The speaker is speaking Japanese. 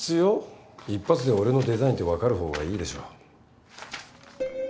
一発で俺のデザインって分かる方がいいでしょ。